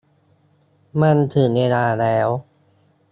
มันถึงเวลาแล้ว